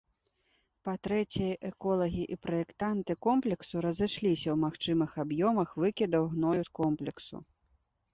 Па-трэцяе, эколагі і праектанты комплексу разышліся ў магчымых аб'ёмах выкідаў гною з комплексу.